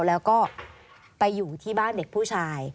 แล้วก็ไปอยู่ที่บ้านเด็กผู้ชาย